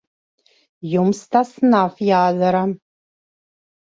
Jums tas nav jādara.